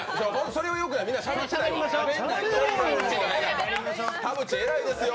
それはよくないみんなしゃべってよ。